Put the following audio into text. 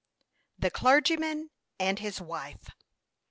THE CLERGYMAN AND HIS WIFE.